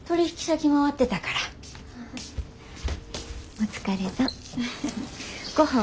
お疲れさん。